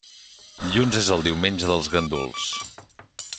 Dilluns és el diumenge dels ganduls.